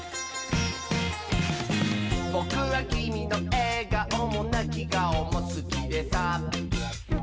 「ぼくはきみのえがおもなきがおもすきでさ」